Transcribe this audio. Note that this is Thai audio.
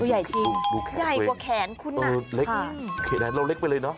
ตัวใหญ่จริงใหญ่กว่าแขนคุณน่ะเออเล็กเราเล็กไปเลยเนอะ